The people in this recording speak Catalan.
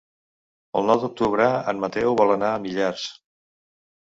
El nou d'octubre en Mateu vol anar a Millars.